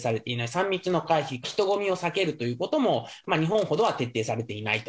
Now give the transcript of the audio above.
３密の回避、人混みを避けるということも、日本ほどは徹底されていないと。